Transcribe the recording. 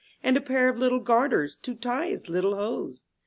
And a pair of little garters to tie his little hose.